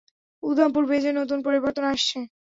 উধামপুর বেজে নতুন পরিবর্তন আসছে।